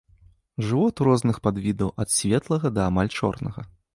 Жывот у розных падвідаў ад светлага да амаль чорнага.